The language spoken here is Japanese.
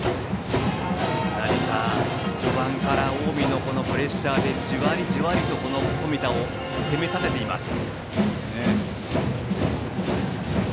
何か序盤から近江のプレッシャーでじわりじわりと冨田を攻め立てています。